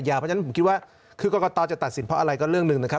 เพราะฉะนั้นผมคิดว่าคือกรกตจะตัดสินเพราะอะไรก็เรื่องหนึ่งนะครับ